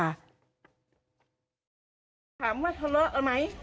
ถามว่าเถอะเลอะเอาไหม